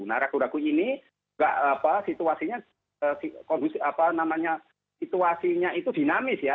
nah ragu ragu ini situasinya kondisinya itu dinamis ya